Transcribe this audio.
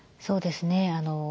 そうですね。